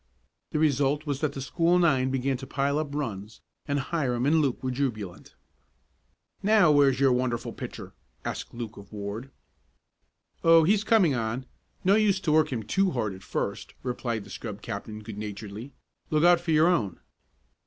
The result was that the school nine began to pile up runs, and Hiram and Luke were jubilant. "Now, where's your wonderful pitcher?" asked Luke of Ward. "Oh, he's coming on. No use to work him too hard at first," replied the scrub captain good naturedly. "Look out for your own."